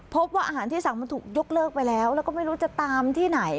พบว่าอาหารที่สั่งมันถูกยกเลิกไปแล้วแล้วก็ไม่รู้จะตามที่ไหน